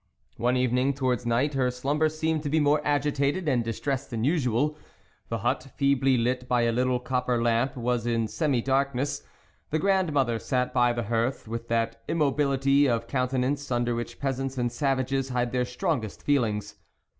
One evening, towards night, her slum ber seemed to be more agitated and dis tressed than usual. The hut, feebly lit by a little copper lamp, was in semi darkness ; the grandmother sat by the hearth, with that immobility of counten ance under which peasants and savages hide their strongest feelings.